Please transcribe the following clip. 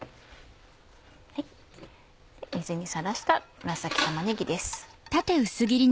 水にさらした紫玉ねぎです。